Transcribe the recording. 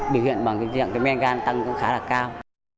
biểu hiện bằng tình trạng cái men gan tăng cũng khá là cao